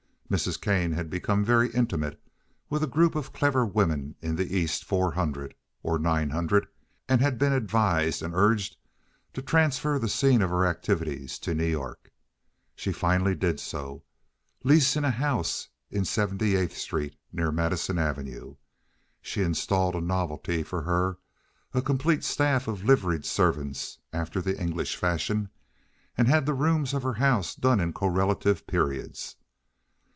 Mrs. Kane had become very intimate with a group of clever women in the Eastern four hundred, or nine hundred, and had been advised and urged to transfer the scene of her activities to New York. She finally did so, leasing a house in Seventy eighth Street, near Madison Avenue. She installed a novelty for her, a complete staff of liveried servants, after the English fashion, and had the rooms of her house done in correlative periods.